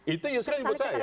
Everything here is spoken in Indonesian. itu yusril sebut saya